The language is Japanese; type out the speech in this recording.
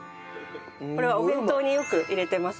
これはお弁当によく入れてます。